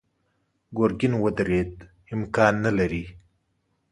ګرګين ودرېد: امکان نه لري.